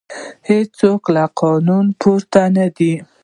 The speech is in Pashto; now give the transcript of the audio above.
هیڅوک له قانون پورته نه دی